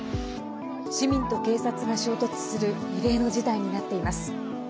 市民と警察が衝突する異例の事態になっています。